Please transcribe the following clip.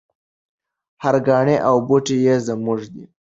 هر کاڼی او بوټی یې زموږ دی.